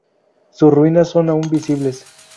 Sus ruinas son aún visibles.